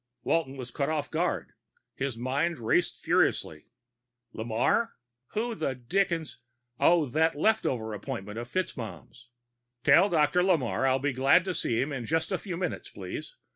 Walton was caught off guard. His mind raced furiously. Lamarre? Who the dickens oh, that left over appointment of FitzMaugham's. "Tell Dr. Lamarre I'll be glad to see him in just a few minutes, please.